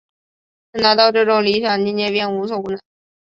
能达到这种理想境界便无所不能为。